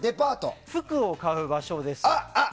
服を買う場所です。